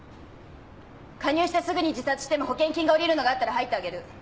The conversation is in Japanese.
加入してすぐに自殺しても保険金がおりるのがあったら入ってあげる。